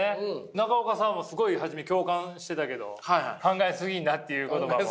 中岡さんもすごい初め共感してたけど考えすぎんなっていう言葉も。